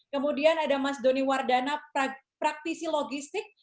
kemudian ada mas doni wardana praktisi logistik